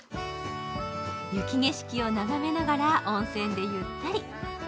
雪景色を眺めながら温泉でゆったり。